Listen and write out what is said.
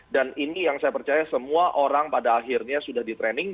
dan ini yang saya percaya semua orang pada akhirnya sudah di training